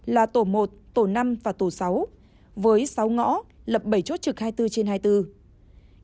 là tổ một tổ năm và tổ sáu với sáu ngõ lập bảy chốt trực hai mươi bốn trên hai mươi bốn